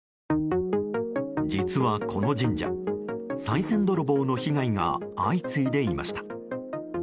実はこの神社、さい銭泥棒の被害が相次いでいました。